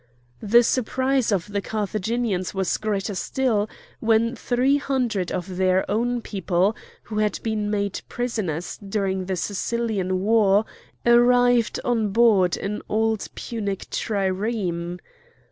The surprise of the Carthaginians was greater still when three hundred of their own people, who had been made prisoners during the Sicilian war, arrived on board an old Punic trireme.